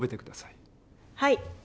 はい。